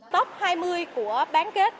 top hai mươi của bán kết